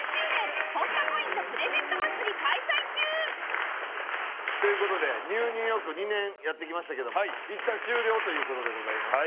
脂肪に選べる「コッコアポ」という事で『ＮＥＷ ニューヨーク』２年やってきましたけどもいったん終了という事でございます。